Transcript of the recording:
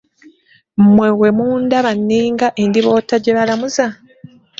Mwe bwemundaba ninga endiboota gye balamuza?